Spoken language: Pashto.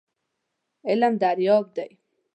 علم دریاب دی .